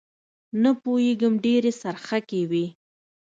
نه پوېېږم ډېرې څرخکې وې.